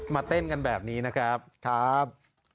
มาเต้นกันแบบนี้นะครับ